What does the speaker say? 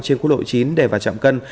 trên quốc lộ chính để vào trạm cân